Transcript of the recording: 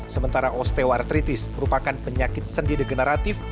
sementara osteoartritis merupakan penyakit sendi degeneratif